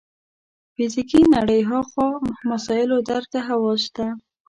فزیکي نړۍ هاخوا مسایلو درک ته حواس شته.